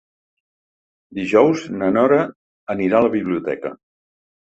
Dijous na Nora anirà a la biblioteca.